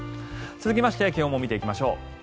続きまして気温も見ていきましょう。